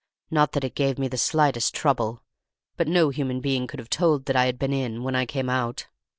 Not that it gave me the slightest trouble; but no human being could have told that I had been in, when I came out.